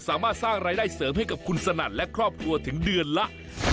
สามารถสร้างรายได้เสริมให้กับคุณสนั่นและครอบครัวถึงเดือนละ